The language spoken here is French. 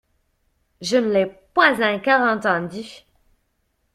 Je ne l’ai pas encore entendue.